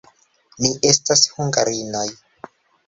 Ni estas hungarinoj.